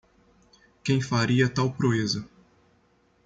Quem faria tal proeza